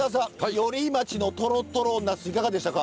寄居町のとろとろナスいかがでしたか？